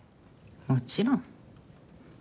もちろん。